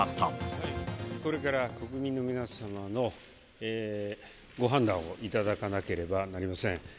これから国民の皆様のご判断を頂かなければなりません。